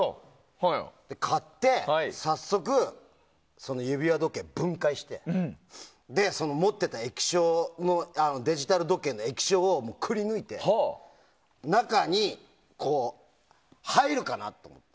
買って、早速その指輪時計分解してその持ってたデジタル時計の液晶をくり抜いて中に入るかなと思って。